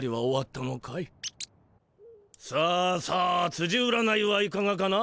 さあさあつじ占いはいかがかな？